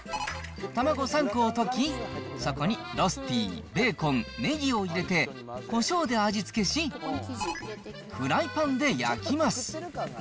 卵３個をとき、そこにロスティ、ベーコン、ねぎを入れて、こしょうで味付けし、フライパンで焼きます。